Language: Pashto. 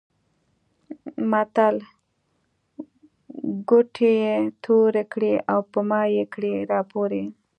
متل؛ ګوتې يې تورې کړې او په مايې کړې راپورې.